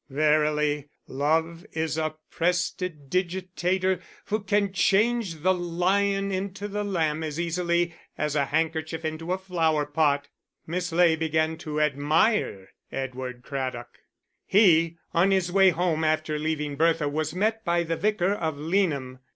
Verily, love is a prestidigitator who can change the lion into the lamb as easily as a handkerchief into a flower pot! Miss Ley began to admire Edward Craddock. He, on his way home after leaving Bertha, was met by the Vicar of Leanham.